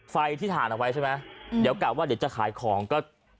ไฟที่ถ่านเอาไว้ใช่ไหมเดี๋ยวกะว่าเดี๋ยวจะขายของก็